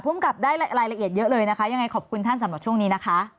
ภูมิกับได้รายละเอียดเยอะเลยนะคะยังไงขอบคุณท่านสำหรับช่วงนี้นะคะ